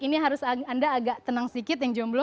ini harus anda agak tenang sedikit yang jomblo